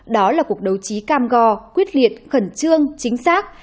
đó là cuộc đấu trí cam go quyết liệt khẩn trương chính xác